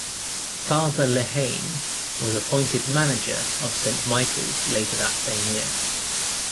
Father Lehane was appointed manager of Saint Michael's later that same year.